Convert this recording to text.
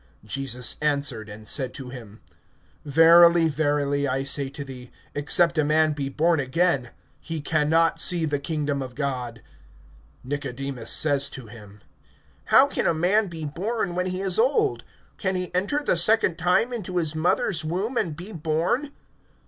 (3)Jesus answered and said to him: Verily, verily, I say to thee, except a man be born again[3:3], he can not see the kingdom of God. (4)Nicodemus says to him: How can a man be born when he is old? Can he enter the second time into his mother's womb, and be born?